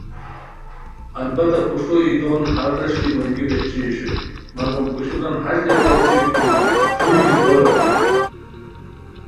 البتہ پروشٹو ای دون ہر ووݰکی ڑینگی بہچی اوشوئے مگم پوشوران ہݰ لیپاؤ اوشوئے کی ݯھوئی بیزبارو غون